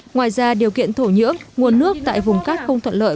ngoài ra điều kiện thổ nhưỡng nguồn nước tại vùng các không thuận lợi